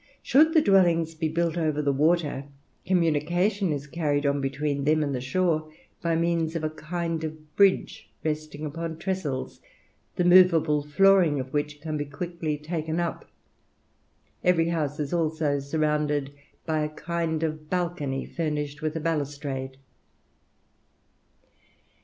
Should the dwellings be built over the water, communication is carried on between them and the shore by means of a kind of bridge resting upon trestles, the movable flooring of which can be quickly taken up. Every house is also surrounded by a kind of balcony furnished with a balustrade.